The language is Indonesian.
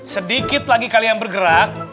sedikit lagi kalian bergerak